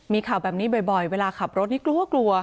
มีข่าวแบบนี้บ่อยเวลาขับรถนี่กลัวกลัว